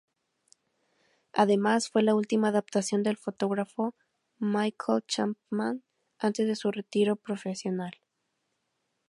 Además, fue la última adaptación del fotógrafo Michael Chapman, antes de su retiro profesional.